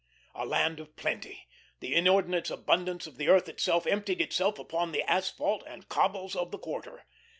A land of plenty, the inordinate abundance of the earth itself emptied itself upon the asphalt and cobbles of the quarter.